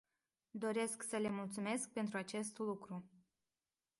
Doresc să le mulțumesc pentru acest lucru.